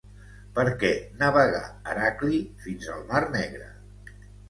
Per què navegà Heracli fins al Mar Negre?